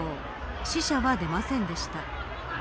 死者は出ませんでした。